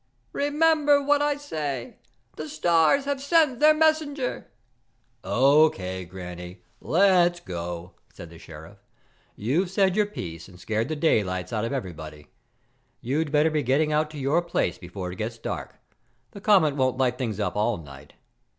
Remember what I say. The stars have sent their messenger...." "Okay, Granny, let's go," said the Sheriff. "You've said your piece and scared the daylights out of everybody. You'd better be getting on out to your place before it gets dark. The comet won't light things up all night.